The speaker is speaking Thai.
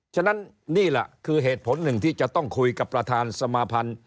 ฉะนั้นนี่แหละคือเหตุผลหนึ่งที่จะต้องคุยกับประธานสมาพันธ์